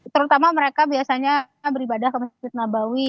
terutama mereka biasanya beribadah ke masjid nabawi